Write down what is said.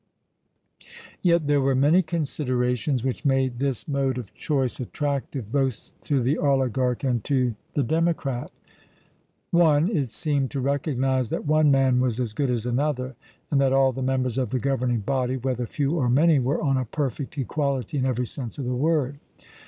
Yet there were many considerations which made this mode of choice attractive both to the oligarch and to the democrat: (1) It seemed to recognize that one man was as good as another, and that all the members of the governing body, whether few or many, were on a perfect equality in every sense of the word.